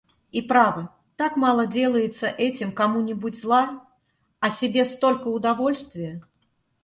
И право, так мало делается этим кому-нибудь зла, а себе столько удовольствия...